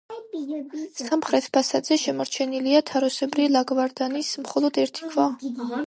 სამხრეთ ფასადზე შემორჩენილია თაროსებრი ლავგარდნის მხოლოდ ერთი ქვა.